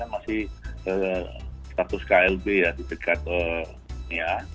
masih status klb ya di dekat dunia